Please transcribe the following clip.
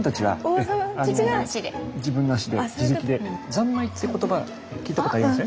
「三昧」って言葉聞いたことありません？